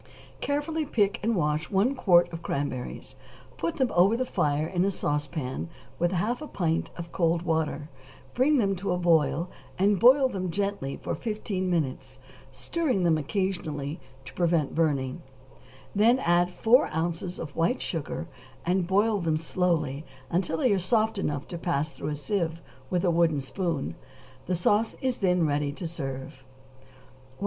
= Carefully pick and wash one quart of cranberries; put them over the fire in a sauce pan with half a pint of cold water; bring them to a boil, and boil them gently for fifteen minutes, stirring them occasionally to prevent burning; then add four ounces of white sugar, and boil them slowly until they are soft enough to pass through a sieve with a wooden spoon; the sauce is then ready to serve. 102.